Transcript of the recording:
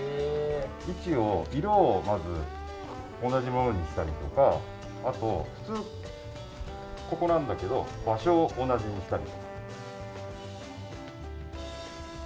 位置を、色をまず同じものにしたりとか、普通ここなんだけど場所を同じにしたり。